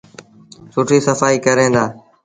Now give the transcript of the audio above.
سُٺيٚ سڦآئيٚ ڪرين دآ۔